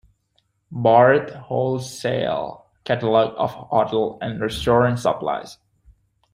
Barth wholesale catalog of hotel and restaurant supplies.